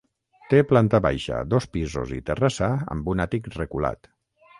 Té planta baixa, dos pisos i terrassa amb un àtic reculat.